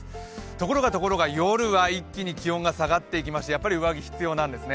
ところがところが、夜は一気に気温が下がってきまして、やはり上着が必要なんですね。